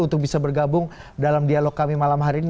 untuk bisa bergabung dalam dialog kami malam hari ini